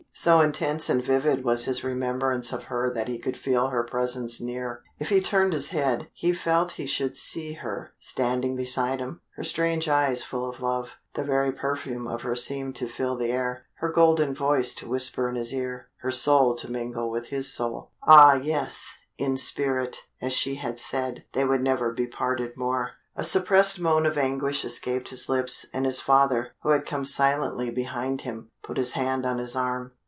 So intense and vivid was his remembrance of her that he could feel her presence near. If he turned his head, he felt he should see her standing beside him, her strange eyes full of love. The very perfume of her seemed to fill the air her golden voice to whisper in his ear her soul to mingle with his soul. Ah yes, in spirit, as she had said, they could never be parted more. A suppressed moan of anguish escaped his lips, and his father, who had come silently behind him, put his hand on his arm.